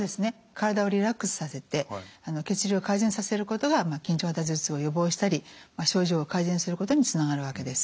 体をリラックスさせて血流を改善させることが緊張型頭痛を予防したり症状が改善することにつながるわけです。